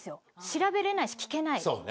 調べれないし聞けない。